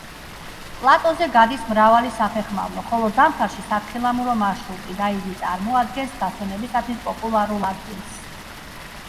პლატოზე გადის მრავალი საფეხმავლო, ხოლო ზამთარში სათხილამურო მარშრუტი და იგი წარმოადგენს დასვენებისათვის პოპულარულ ადგილს.